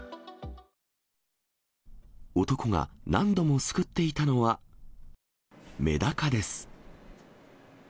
男が何度もすくっていたのは、メダカです。